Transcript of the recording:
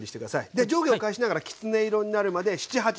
で上下を返しながらきつね色になるまで７８分。